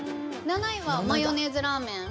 ７位は「マヨネーズラーメン」？